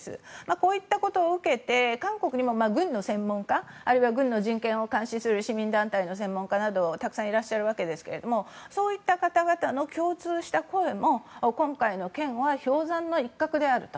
こういったことを受けて韓国にも軍の専門家あるいは軍の人権を監視する市民団体の専門家などたくさんいらっしゃるわけですがそういった方々の共通した声も今回の件は氷山の一角であると。